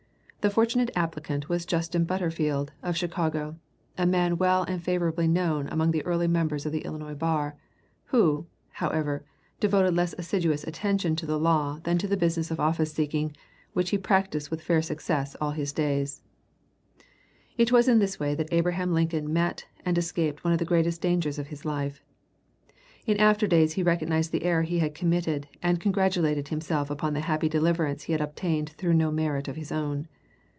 The fortunate applicant was Justin Butterfield, of Chicago, a man well and favorably known among the early members of the Illinois bar, [Transcriber's Note: Lengthy footnote relocated to chapter end.] who, however, devoted less assiduous attention to the law than to the business of office seeking, which he practiced with fair success all his days. It was in this way that Abraham Lincoln met and escaped one of the greatest dangers of his life. In after days he recognized the error he had committed, and congratulated himself upon the happy deliverance he had obtained through no merit of his own.